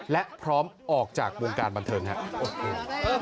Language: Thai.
และพร้อมออกจากวงการบันเทิงครับโอเค